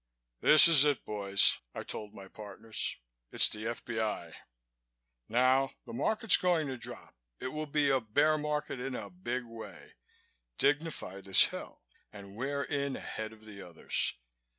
"This is it, boys," I told my partners. "It's the F.B.I. Now, the Market's going to drop. It will be a bear market in a big way, dignified as hell, and we're in ahead of the others.